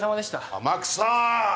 天草！